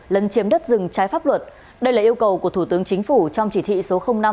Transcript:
lân chiếm đất rừng trái pháp luật đây là yêu cầu của thủ tướng chính phủ trong chỉ thị số năm